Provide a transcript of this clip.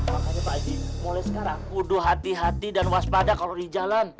makanya pak aji mulai sekarang kuduh hati hati dan waspada kalau di jalan